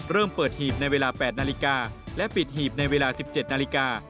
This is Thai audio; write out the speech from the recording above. เริ่มเปิดหีบในเวลา๘นาฬิกาและปิดหีบในเวลา๑๗นาฬิกา